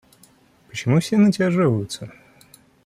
Почему все на тебя жалуются?